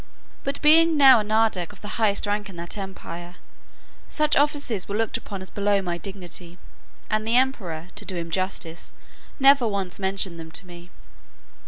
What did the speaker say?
But being now a nardac of the highest rank in that empire, such offices were looked upon as below my dignity, and the emperor (to do him justice), never once mentioned them to me.